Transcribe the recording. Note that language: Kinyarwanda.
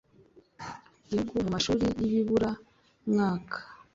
gihugu mu mashuli y ibibura mwaka